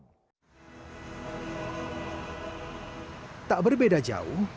tidak berbeda jauh